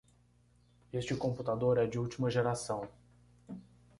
Este computador é de última geração.